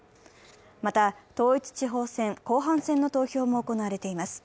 また、統一地方選後半戦の投票も行われています。